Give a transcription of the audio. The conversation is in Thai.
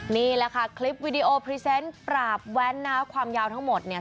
นี่แหละค่ะคลิปวิดีโอพรีเซนต์ปราบแว้นนะความยาวทั้งหมดเนี่ย